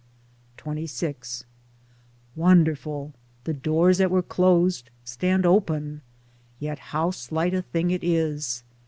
XXVI Wonderful ! The doors that were closed stand open. Yet how slight a thing it is.